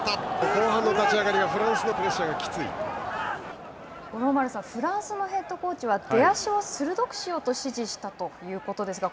後半の立ち上がりは五郎丸さん、フランスのヘッドコーチは、出足を鋭くしようと指示したということですが